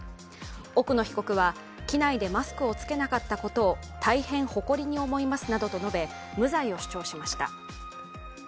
奥野被告は機内でマスクを着けなかったことを大変誇りに思いますなどと述べ、無罪を主張しました。